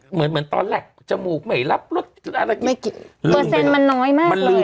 เหมือนตอนแรกจมูกไมหมื่นรับรัฐกิจเปอร์เซ็นต์มันน้อยมากเลย